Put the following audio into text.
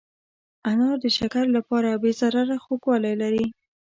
انار د شکر لپاره بې ضرره خوږوالی لري.